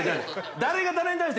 誰が誰に対して。